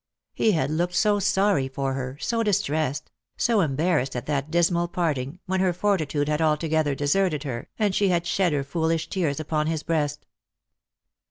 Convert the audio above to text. He had looked so sorry for her, so distressed, so embar rassed at that dismal parting, when her fortitude had altogether deserted her, and she had shed her foolish tears upon his breast.